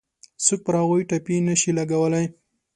څوک پر هغوی ټاپې نه شي لګولای.